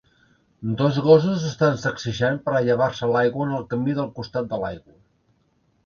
Dos gossos s'estan sacsejant per a llevar-se l'aigua en el camí del costat de l'aigua